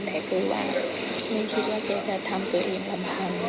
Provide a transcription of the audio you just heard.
แต่คือว่าไม่คิดว่าเก๋จะทำตัวเองประมาณ